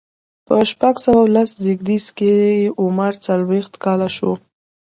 په شپږ سوه لس زيږديز کې یې عمر څلوېښت کاله شو.